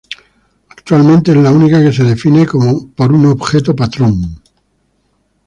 Actualmente es la única que se define por un objeto patrón.